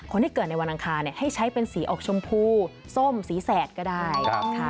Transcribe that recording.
คนที่เกิดในวันอังคารให้ใช้เป็นสีออกชมพูส้มสีแสดก็ได้